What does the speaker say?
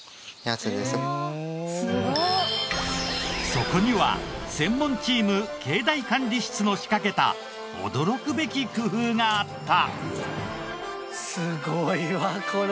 そこには専門チーム境内管理室の仕掛けた驚くべき工夫があった。